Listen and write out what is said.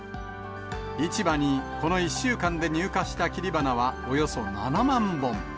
市場にこの１週間で入荷した切り花はおよそ７万本。